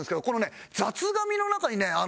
このね雑紙の中にね